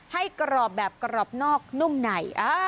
ให้กรอบแบบกรอบนอกนุ่มไหน